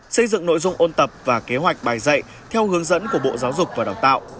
xây dựng nội dung ôn tập và kế hoạch bài dạy theo hướng dẫn của bộ giáo dục và đào tạo